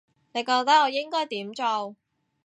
你覺得我應該點做